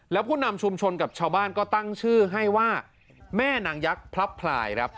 แล้วผู้นำชุมชนกับชาวบ้านก็ตั้งชื่อให้ว่าแม่นางยักษ์พลับพลายครับ